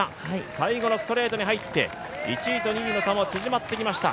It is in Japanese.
最後のストレートに入って１位と２位の差も縮まってきました。